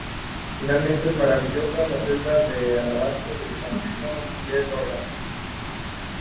Finalmente, es maravillosa la celda de alabastro del Santísimo y el órgano.